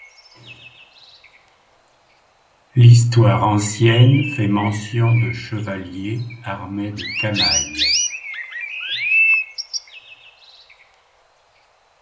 L’histoire ancienne fait mention de chevaliers armés de camails.